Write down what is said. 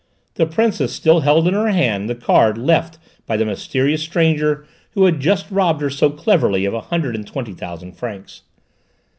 The Princess still held in her hands the card left by the mysterious stranger who had just robbed her so cleverly of a hundred and twenty thousand francs.